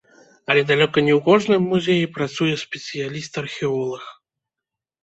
Але далёка не ў кожным музеі працуе спецыяліст-археолаг.